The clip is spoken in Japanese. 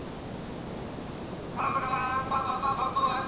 パンパカパーン、パンパンパン、パンパカパーン！